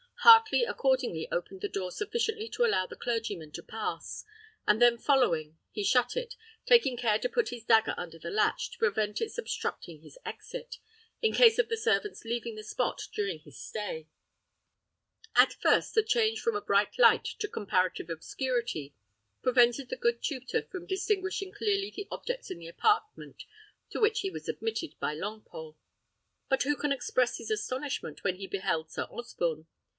Heartley accordingly opened the door sufficiently to allow the clergyman to pass, and then following, he shut it, taking care to put his dagger under the latch, to prevent its obstructing his exit, in case of the servants' leaving the spot during his stay. At first the change from a bright light to comparative obscurity prevented the good tutor from distinguishing clearly the objects in the apartment to which he was admitted by Longpole; but who can express his astonishment when he beheld Sir Osborne?